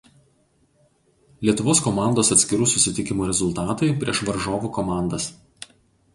Lietuvos komandos atskirų susitikimų rezultatai prieš varžovų komandas.